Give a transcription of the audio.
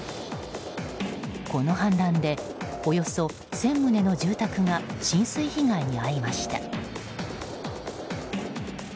この氾濫でおよそ１０００棟の住宅が浸水被害に遭いました。